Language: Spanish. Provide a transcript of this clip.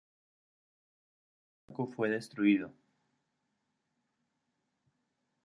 El barco fue destruido.